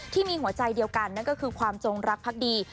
ที่มีหัวใจเดียวกันนั่นก็คือความจงรักพักดี